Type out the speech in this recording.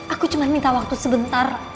aku cuma minta waktu sebentar